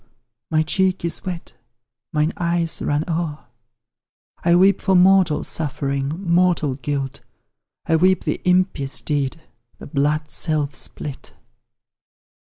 my cheek is wet mine eyes run o'er; I weep for mortal suffering, mortal guilt, I weep the impious deed, the blood self spilt.